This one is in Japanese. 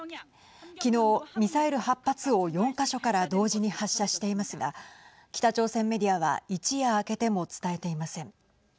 きのうミサイル８発を４か所から同時に発射していますが北朝鮮メディアは一夜明けても伝えていません。